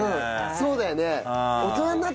そうだよね？